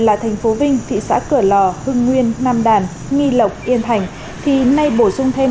là thành phố vinh thị xã cửa lò hưng nguyên nam đàn nghi lộc yên thành thì nay bổ sung thêm